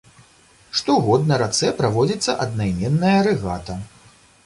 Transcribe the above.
Штогод на рацэ праводзіцца аднайменная рэгата.